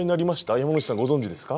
山之内さんご存じですか？